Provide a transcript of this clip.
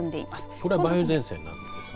これは梅雨前線なんですね。